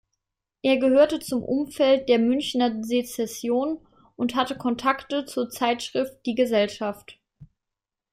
Er gehörte zum Umfeld der "Münchner Sezession" und hatte Kontakte zur Zeitschrift "Die Gesellschaft".